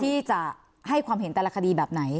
ที่จะให้ความเห็นแต่ละคดีแบบไหน